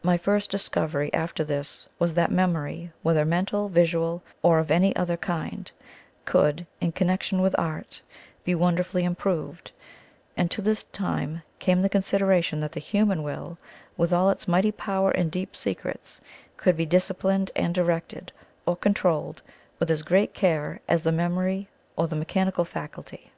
My first discovery after this was that Memory, whether mental, visual, or of any other kind, could, in connection with Art, be wonderfully improved, and to this in time came the consideration that the human Will, with all its mighty power and deep secrets, could be disciplined and directed, or controlled with as great care as the memory or the mechanical faculty.